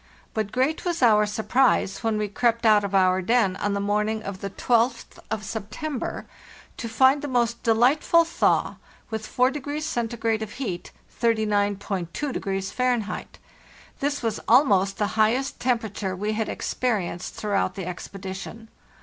But great was our surprise when we crept out of our den on the morning of the r2th of September to find the most delightful thaw, with 4° (C.) of heat (30.2° Fahr.). This was almost the highest temperature we had experienced throughout the expedition.